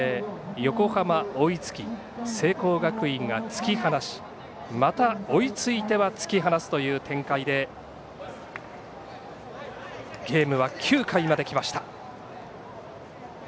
横浜、追いつき聖光学院が突き放しまた、追いついては突き放すという展開でゲームは９回まできました。